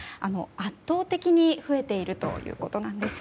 圧倒的に増えているということなんです。